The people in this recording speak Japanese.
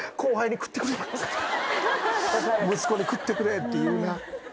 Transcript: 息子に「食ってくれ」って言うな。